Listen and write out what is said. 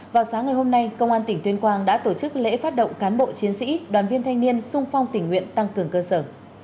vào sáng ngày hôm nay công an tỉnh tuyên quang đã tổ chức lễ phát động cán bộ chiến sĩ đoàn viên thanh niên sung phong tỉnh nguyện tăng cường cơ sở